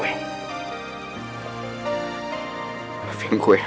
makasih udah mau dengerin penjelasan gue sam